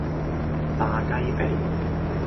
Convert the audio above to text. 炸雞髀